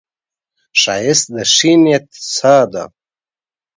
ښایست د ښې نیت ساه ده